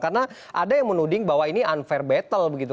karena ada yang menuding bahwa ini unfair battle begitu